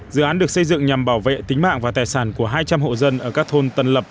dự án được xây dựng nhằm bảo vệ tính mạng và tài sản của hai trăm linh hộ dân ở các thôn tân lập